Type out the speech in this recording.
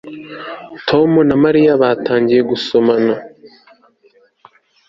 Tom na Mariya batangiye gusomana